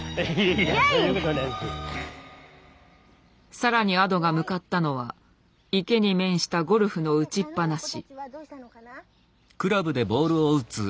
更に亜土が向かったのは池に面したゴルフの打ちっぱなし。